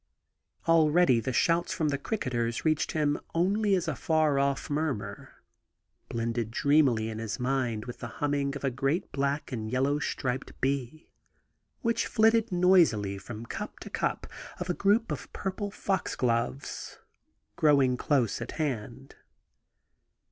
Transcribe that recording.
Already the shouts from the cricketers reached him only as a far off murmur, blended dreamily in his mind with the humming of a great black and yellow striped bee, which flitted noisily frx)m cup to cup of a group of purple fox gloves growing close at hand.